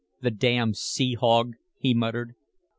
"The damn sea hog!" he muttered.